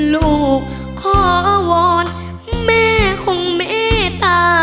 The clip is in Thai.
ลูกขอวอนแม่ของเมตตา